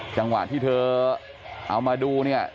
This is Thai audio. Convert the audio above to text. จังหวะที่เธอเอามาดูเนี่ย